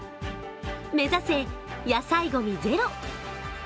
目指せ、野菜ごみゼロ。